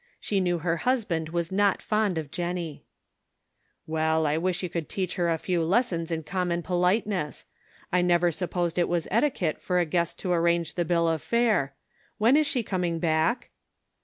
She knew her husband was not fond of Jennie. " Well, I wish you could teach her a few lessons in common politenes. I never supposed it was etiquette for a guest to arrange the bill of fare. When is she coming back